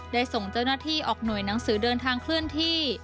ส่งเจ้าหน้าที่ออกหน่วยหนังสือเดินทางเคลื่อนที่